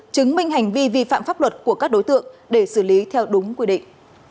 chứng minh hành vi vi phạm pháp luật của các đối tượng để xử lý theo đúng quy định